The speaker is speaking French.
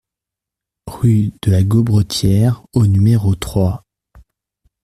Rue de la Gaubretière au numéro trois